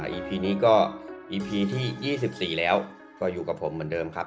อีพีนี้ก็อีพีที่๒๔แล้วก็อยู่กับผมเหมือนเดิมครับ